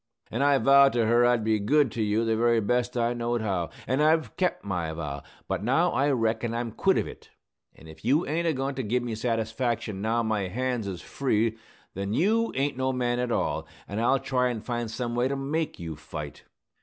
An' I vowed to her I'd be good to you the very best I knowed how. An' I've kep' my vow. But now I reckon I'm quit of it; an' if you ain't a goin' to give me satisfaction now my hands is free, then you ain't no man at all, an' I'll try an' find some way to make you fight!"